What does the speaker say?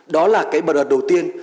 đó là cái bật đợt đầu tiên